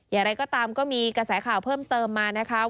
อย่างไรก็ตามก็มีกระแสข่าวเพิ่มเติมมานะคะ